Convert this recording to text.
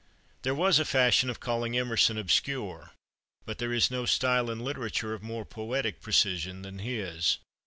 There was a fashion of calling Emerson obscure. But there is no style in literature of more poetic precision than his.